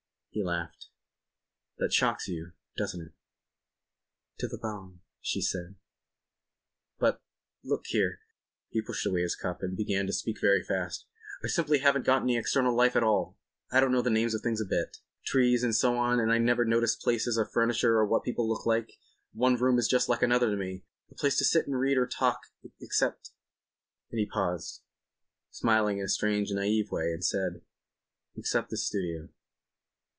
He laughed. "That shocks you. Doesn't it?" "To the bone," said she. "But—look here——" He pushed away his cup and began to speak very fast. "I simply haven't got any external life at all. I don't know the names of things a bit—trees and so on—and I never notice places or furniture or what people look like. One room is just like another to me—a place to sit and read or talk in—except," and here he paused, smiled in a strange naive way, and said, "except this studio."